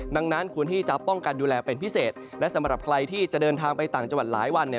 ดังนั้นควรที่จะป้องกันดูแลเป็นพิเศษและสำหรับใครที่จะเดินทางไปต่างจังหวัดหลายวันเนี่ย